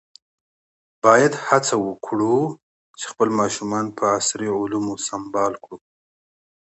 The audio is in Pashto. باید هڅه وکړو چې خپل ماشومان په عصري علومو سمبال کړو.